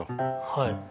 はい。